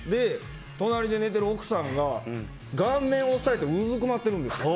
隣で寝ている奥さんが顔面を押さえてうずくまってるんです。